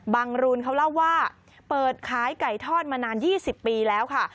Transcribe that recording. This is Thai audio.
รูนเขาเล่าว่าเปิดขายไก่ทอดมานาน๒๐ปีแล้วค่ะ